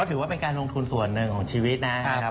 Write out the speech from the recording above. ถือว่าเป็นการลงทุนส่วนหนึ่งของชีวิตนะครับ